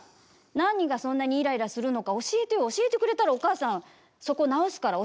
何がそんなにイライラするのか教えてよ、教えてくれたらお母さん、そこ直すから。